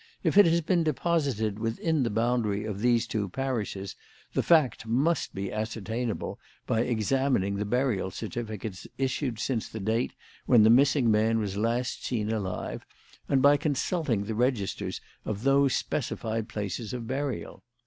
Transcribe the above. If it has been deposited within the boundary of those two parishes, the fact must be ascertainable by examining the burial certificates issued since the date when the missing man was last seen alive and by consulting the registers of those specified places of burial.